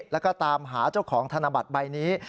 แล้วก็ตามหาเจ้าของธนบัตรใบนี้